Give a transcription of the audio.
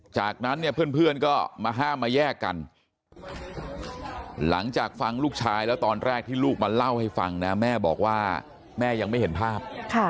จากนั้นเนี่ยเพื่อนก็มาห้ามมาแยกกันหลังจากฟังลูกชายแล้วตอนแรกที่ลูกมาเล่าให้ฟังนะแม่บอกว่าแม่ยังไม่เห็นภาพ